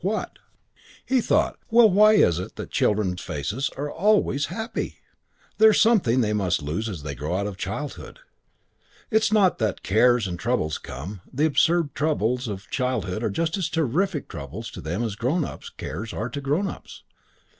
What? He thought, "Well, why is it that children's faces are always happy? There's something they must lose as they grow out of childhood. It's not that cares and troubles come; the absurd troubles of childhood are just as terrific troubles to them as grown ups' cares are to grown ups.